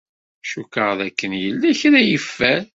Cukkeɣ d akken yella kra i yeffer.